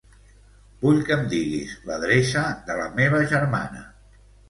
Vull que em diguis l'adreça de la meva germana.